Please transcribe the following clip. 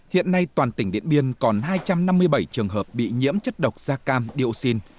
hiện nay toàn tỉnh điện biên còn hai trăm năm mươi bảy trường hợp bị nhiễm chất độc da cam điệu xin